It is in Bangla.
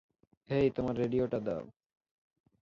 হেই, তোমার রেডিওটা দাও।